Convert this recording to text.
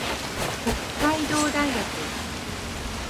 北海道大学